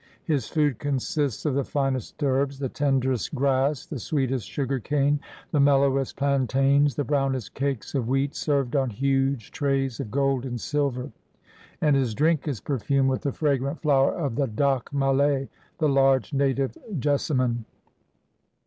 His food consists of the finest herbs, the tenderest grass, the sweetest sugar cane, the mellowest plantains, the brownest cakes of wheat, served on huge trays of gold and silver ; and his drink is perfumed with the fragrant flower of the dok mallee, the large native jessamine.